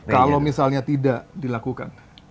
kalau misalnya tidak dilakukan